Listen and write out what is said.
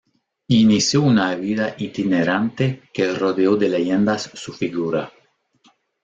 Inició una vida itinerante que rodeó de leyendas su figura.